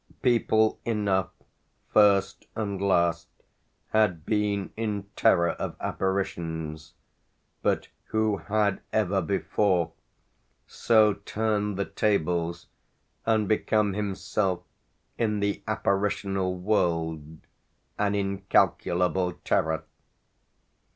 People enough, first and last, had been in terror of apparitions, but who had ever before so turned the tables and become himself, in the apparitional world, an incalculable terror?